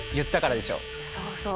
そうそう。